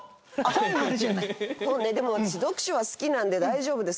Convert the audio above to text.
本ねでも私読書は好きなんで大丈夫です。